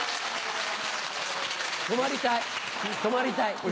泊まりたい！